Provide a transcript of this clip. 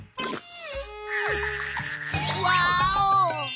ワーオ！